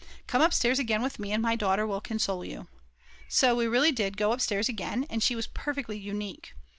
Come upstairs again with me and my daughter will console you." So we really did go upstairs again, and she was perfectly unique.